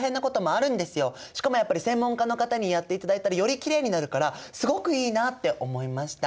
しかもやっぱり専門家の方にやっていただいたらよりキレイになるからすごくいいなって思いました。